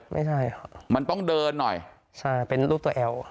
ไม่ใช่ค่ะมันต้องเดินหน่อยใช่เป็นรูปตัวแอล